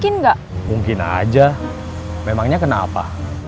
nah aja memangnya kenapa